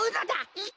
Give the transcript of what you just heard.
いけ。